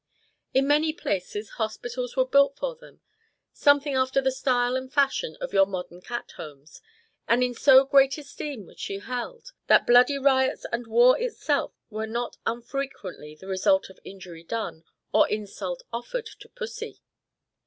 In many places hospitals were built for them, something after the style and fashion of your modern cat homes; and in so great esteem was she held, that bloody riots and war itself were not unfrequently the result of injury done, or insult offered to pussy.